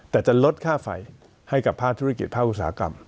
แต่จะลดค่าไฟให้กับภาคธุรกิจภาคอุตสาหกรรม